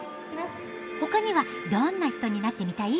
ほかにはどんな人になってみたい？